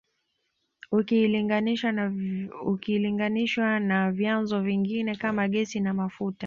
Ukilinganishwa na vyanzo vingine kama gesi na mafuta